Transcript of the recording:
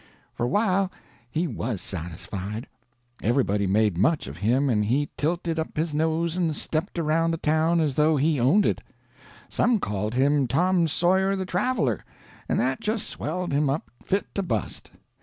For a while he was satisfied. Everybody made much of him, and he tilted up his nose and stepped around the town as though he owned it. Some called him Tom Sawyer the Traveler, and that just swelled him up fit to bust.